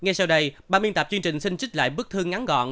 ngay sau đây ba miên tạp chương trình xin trích lại bức thư ngắn gọn